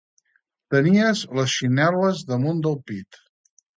Tenies les xinel·les damunt del pit.